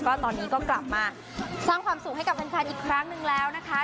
ก็ตอนนี้ก็กลับมาสร้างความสุขให้กับแฟนอีกครั้งหนึ่งแล้วนะคะ